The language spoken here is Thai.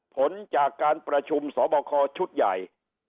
ผลจากการประชุมสอบคอชุดใหญ่